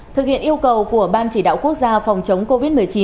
thực hiện yêu cầu của ban chỉ đạo quốc gia phòng chống covid một mươi chín